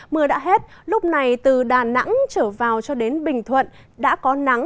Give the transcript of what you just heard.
mưa đã hết lúc này từ đà nẵng trở vào cho đến bình thuận đã có nắng